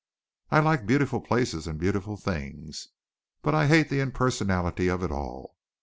I like beautiful places and beautiful things, but I hate the impersonality of it all.